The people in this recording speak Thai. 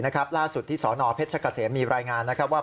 ลาทรศุดที่สพเฉคเกษมมีรายงานว่า